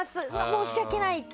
申し訳ないって。